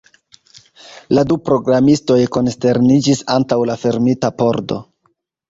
La du programistoj konsterniĝis antaŭ la fermita pordo.